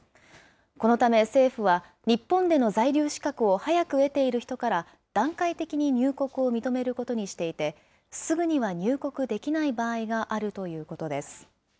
このため政府は、日本での在留資格を早く得ている人から、段階的に入国を認めることにしていて、すぐには入国できない場合があるということです。